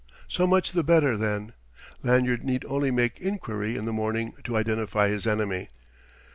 So much the better, then: Lanyard need only make enquiry in the morning to identify his enemy.